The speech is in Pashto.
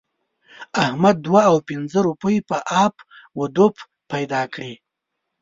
احمد دوه او پينځه روپۍ په اپ و دوپ پیدا کړې.